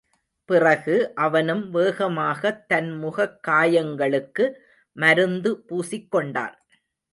பிறகு, அவனும் வேகமாகத் தன் முகக்காயங்களுக்கு மருந்து பூசிக்கொண்டான்.